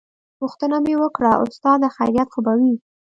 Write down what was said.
پوښتنه مې وکړه استاده خيريت خو به وي.